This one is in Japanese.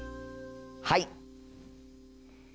はい。